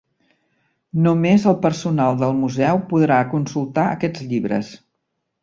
Només el personal del Museu podrà consultar aquests llibres.